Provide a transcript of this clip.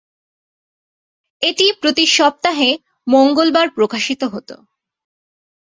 এটি প্রতি সপ্তাহে মঙ্গলবার প্রকাশিত হতো।